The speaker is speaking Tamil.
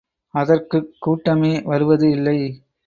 அதற்குக் கூட்டமே வருவது இல்லை.